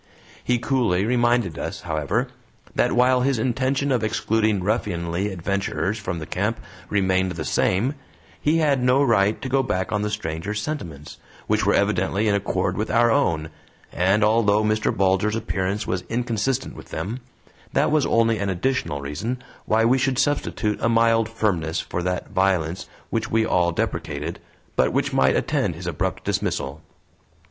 He coolly reminded us, however, that while his intention of excluding ruffianly adventurers from the camp remained the same, he had no right to go back on the stranger's sentiments, which were evidently in accord with our own, and although Mr. Bulger's appearance was inconsistent with them, that was only an additional reason why we should substitute a mild firmness for that violence which we all deprecated, but which might attend his abrupt dismissal.